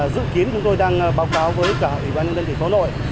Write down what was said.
dự kiến chúng tôi đang báo cáo với cả ủy ban nhân dân tỉnh hà nội